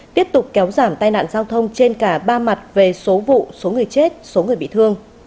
tiếp tục kéo giảm tai nạn giao thông trên cả ba mặt về số vụ số người chết số người bị thương